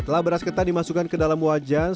setelah beras ketan dimasukkan ke dalam wadah besar